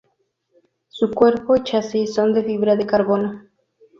Su cuerpo y chasis son de fibra de carbono.